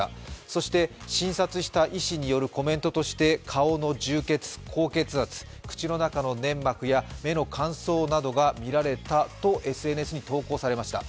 そして、診察した医師によるコメントとして顔の充血、高血圧、口の中の粘膜や目の乾燥などがみられたとＳＮＳに投稿されました。